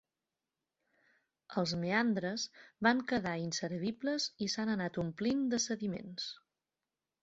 Els meandres van quedar inservibles i s'han anat omplint de sediments.